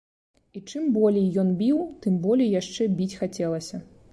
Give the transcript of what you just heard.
І чым болей ён біў, тым болей яшчэ біць хацелася.